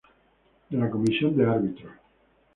De la Comisión de Árbitros.